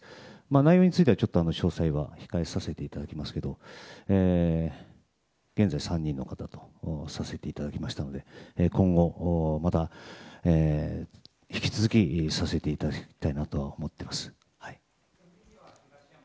内容については詳細は控えさせていただきますけど現在３人の方とお話させていただきましたので今後また引き続きさせていただきたいなと思っております。